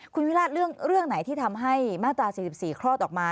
คุณวิราชเรื่องไหนที่ทำให้มาตรา๔๔คลอดออกมา